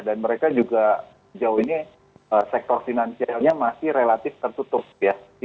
mereka juga jauh ini sektor finansialnya masih relatif tertutup ya